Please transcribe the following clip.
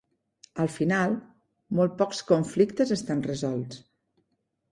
Al final, molt pocs conflictes estan resolts.